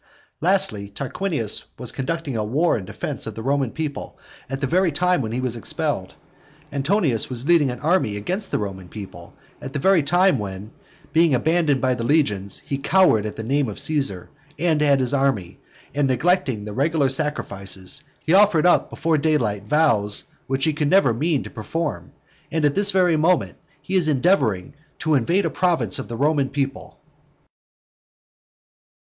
Lastly, Tarquinius was conducting a war in defence of the Roman people at the very time when he was expelled. Antonius was leading an army against the Roman people at the time when, being abandoned by the legions, he cowered at the name of Caesar and at his army, and neglecting the regular sacrifices, he offered up before daylight vows which he could never mean to perform, and at this very moment he is endeavouring to invade a province of the Roman people.